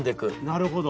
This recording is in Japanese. なるほど。